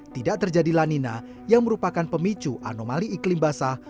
tidak terjadi lanina yang merupakan pemicu anomali iklim basah